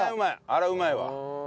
あれはうまいわ。